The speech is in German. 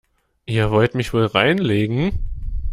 Ihr wollt mich wohl reinlegen?